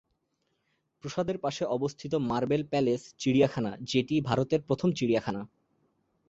প্রাসাদের পাশে অবস্থিত মার্বেল প্যালেস চিড়িয়াখানা, যেটি ভারতের প্রথম চিড়িয়াখানা।